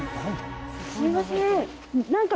すみません